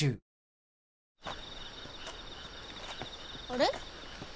あれ？